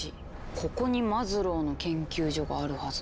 ここにマズローの研究所があるはずなんだけど。